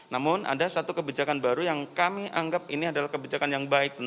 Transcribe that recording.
namun ada satu kebijakan baru yang kami anggap ini adalah kebijakan yang baik